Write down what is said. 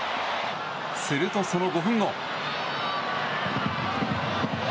すると、その５分後。